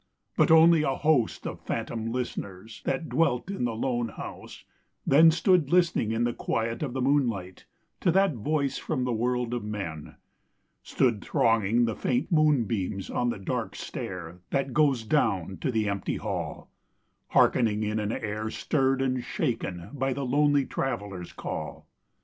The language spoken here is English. But only a host of phantom listeners That dwelt in the lone house then Stood listening in the quiet of the moonlight To that voice from the world of men: Stood thronging the faint moonbeams on the dark stair That goes down to the empty hall, Hearkening in an air stirred and shaken By the lonely Traveler's call.